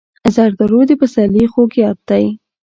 زردالو د پسرلي خوږ یاد دی.